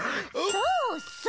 そうそう。